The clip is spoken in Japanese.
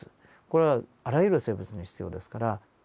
これはあらゆる生物に必要ですから。